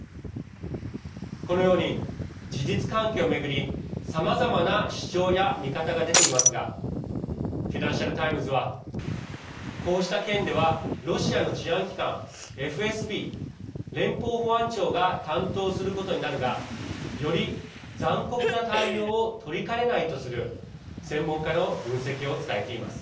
このように、事実関係を巡りさまざまな主張や見方が出ていますがフィナンシャル・タイムズはこうした件ではロシアの治安機関ＦＳＢ＝連邦保安庁が担当することになるがより残酷な対応をとりかねないとする専門家の分析を伝えています。